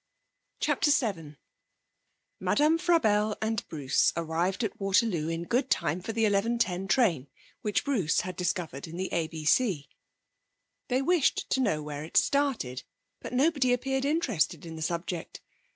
CHAPTER VII Madame Frabelle and Bruce arrived at Waterloo in good time for the 11.10 train, which Bruce had discovered in the ABC. They wished to know where it started, but nobody appeared interested in the subject.